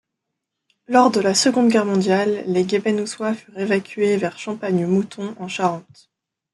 Lors de la seconde guerre mondiale, les Guebenhousois furent évacués vers Champagne-mouton, en Charente.